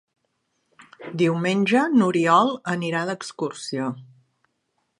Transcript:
Diumenge n'Oriol anirà d'excursió.